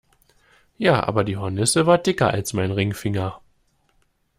Ja, aber die Hornisse war dicker als mein Ringfinger!